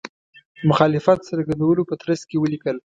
مخالفت څرګندولو په ترڅ کې ولیکل.